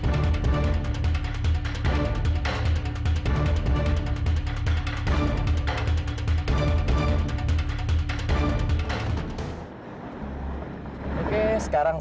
aku pengen dengar suara maksimalis